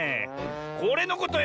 これのことよ。